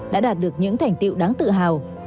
đã đạt được những thành tiệu đáng tự hào